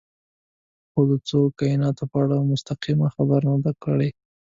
خو د څو کایناتونو په اړه مستقیمه خبره نه ده کړې.